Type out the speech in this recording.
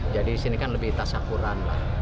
jadi di sini kan lebih tasyakuran